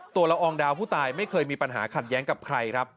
ละอองดาวผู้ตายไม่เคยมีปัญหาขัดแย้งกับใครครับ